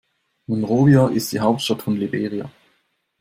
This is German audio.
Monrovia ist die Hauptstadt von Liberia.